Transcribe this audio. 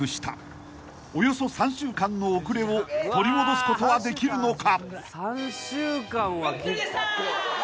［およそ３週間の遅れを取り戻すことはできるのか？］